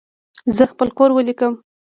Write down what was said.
زه خپل کور ولیکم.